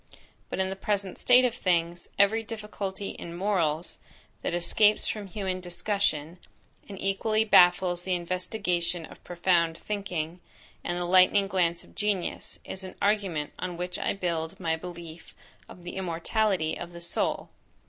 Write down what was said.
But in the present state of things, every difficulty in morals, that escapes from human discussion, and equally baffles the investigation of profound thinking, and the lightning glance of genius, is an argument on which I build my belief of the immortality of the soul.